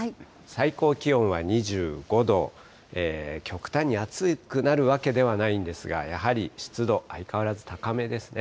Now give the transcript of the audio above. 最高気温は２５度、極端に暑くなるわけではないんですが、やはり湿度、相変わらず高めですね。